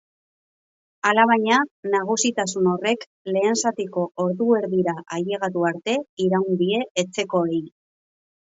Alabaina, nagusitasun horrek lehen zatiko ordu erdira ailegatu arte iraun die etxekoei.